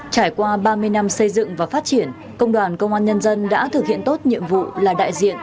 trải qua ba mươi năm xây dựng và phát triển công đoàn công an nhân dân đã thực hiện tốt nhiệm vụ là đại diện